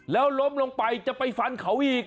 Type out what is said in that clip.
แล้วล้มลงไปจะไปฟันเขาอีก